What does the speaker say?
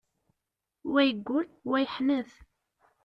Wa yeggul, wa yeḥnet.